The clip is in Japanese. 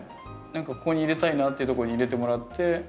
何かここに入れたいなっていうとこに入れてもらって。